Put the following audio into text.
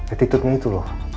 etiketnya itu loh